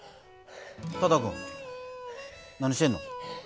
多田君何してんの？